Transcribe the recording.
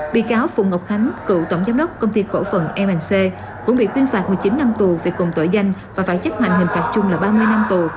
bị cáo phùng ngọc khánh cựu tổng giám đốc công ty cổ phần mc cũng bị tuyên phạt một mươi chín năm tù về cùng tội danh và phải chấp hành hình phạt chung là ba mươi năm tù